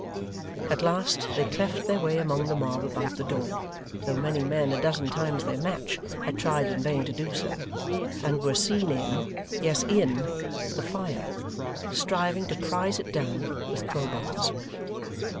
At last, they cleft their way among the mob about the door, though many men, a dozen times their match, had tried in vain to do so, and were seen, in yes, in the fire, striving to prize it down, with crowbars.